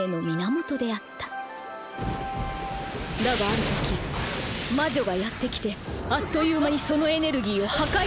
だがある時魔女がやって来てあっという間にそのエネルギーを破壊してしまったのだ。